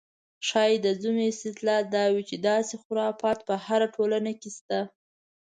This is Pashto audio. ښایي د ځینو استدلال دا وي چې داسې خرافات په هره ټولنه کې شته.